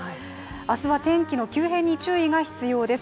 明日は天気の急変に注意が必要です。